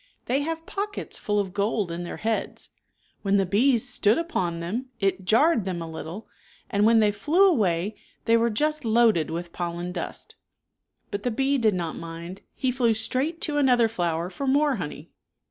" They have pockets full of gold in their heads When the bees stood upon them, ^ ••y"'^ it jarred them a little and when ' \]'ri j they flew away they were just ^^^^^^^ loaded with pollen dust." But /^"^ the bee did not mind; he flew straight to another flower for more honey.